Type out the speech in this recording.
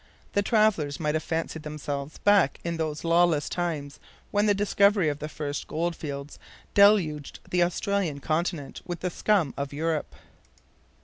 The travelers might have fancied themselves back in those lawless times when the discovery of the first gold fields deluged the Australian continent with the scum of Europe.